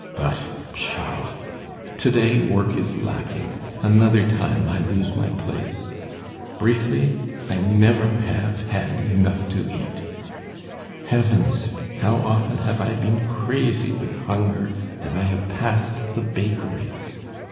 But, pshaw; to day, work is lacking, another time I lose my place: Briefly, I never have had enough to eat. Heavens! how often have I been crazy with hunger as I have passed the bakeries!